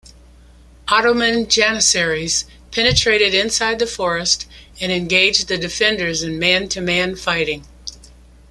Ottoman janissaries penetrated inside the forest and engaged the defenders in man-to-man fighting.